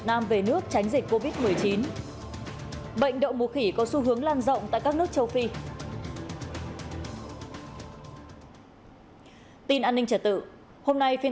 hãy đăng ký kênh để ủng hộ kênh của chúng mình nhé